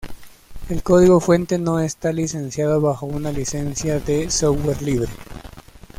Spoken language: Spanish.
El código fuente no está licenciado bajo una licencia de software libre.